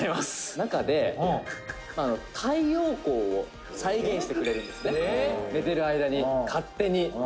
「中で、太陽光を再現してくれるんですね寝てる間に、勝手に」